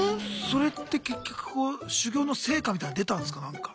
それって結局こう修行の成果みたいの出たんすかなんか。